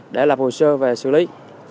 đã lập hồ sơ và xử lý